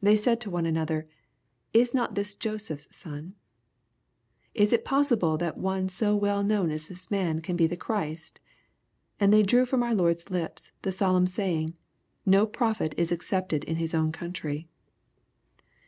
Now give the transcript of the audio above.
They said to one another, " Is not this Joseph's son ?" Is it possible that one so well known as this man can be the Christ ?— ^And they drew from our Lord's lips the sol emn saying, 'T!f o prophet is accepted in his own country."